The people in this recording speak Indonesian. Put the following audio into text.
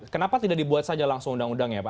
kenapa tidak dibuat saja langsung undang undangnya pak